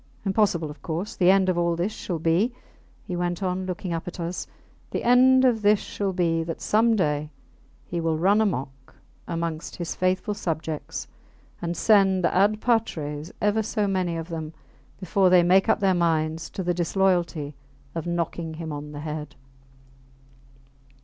Impossible of course. The end of all this shall be, he went on, looking up at us the end of this shall be, that some day he will run amuck amongst his faithful subjects and send ad patres ever so many of them before they make up their minds to the disloyalty of knocking him on the head.